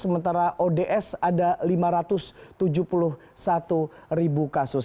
sementara ods ada lima ratus tujuh puluh satu ribu kasus